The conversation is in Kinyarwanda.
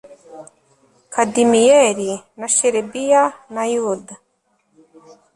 kadimiyeli na sherebiya na yuda